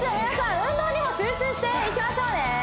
皆さん運動にも集中していきましょうね